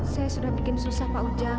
saya sudah bikin susah pak ujang